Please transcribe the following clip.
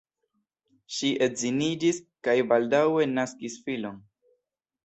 Ŝi edziniĝis kaj baldaŭe naskis filon.